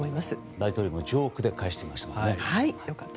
大統領もジョークで返していましたね。